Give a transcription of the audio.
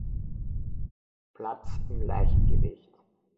Platz im Leichtgewicht.